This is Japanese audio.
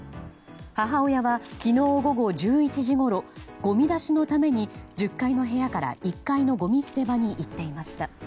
母親は、昨日午後１１時ごろごみ出しのために１０階の部屋から１階のごみ捨て場に行っていました。